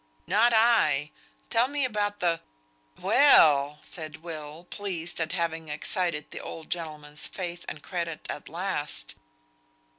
"Not I! Tell me about the " "Well!" said Will, pleased at having excited the old gentleman's faith and credit at last.